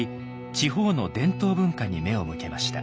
地方の伝統文化に目を向けました。